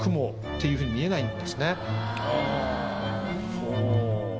ほう。